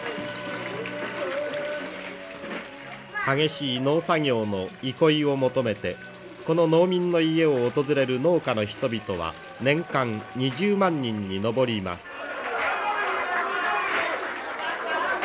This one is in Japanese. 激しい農作業の憩いを求めてこの農民の家を訪れる農家の人々は年間２０万人に上ります。